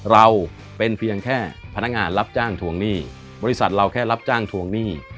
เราเป็นเพียงแค่พนักงานรับจ้างทวงหนี้บริษัทเราแค่รับจ้างทวงหนี้